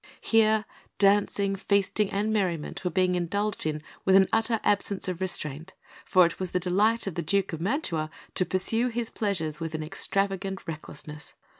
Here, dancing, feasting, and merriment were being indulged in with an utter absence of restraint, for it was the delight of the Duke of Mantua to pursue his pleasures with an extravagant recklessness.